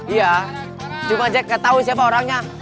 iya cuma jack gak tau siapa orangnya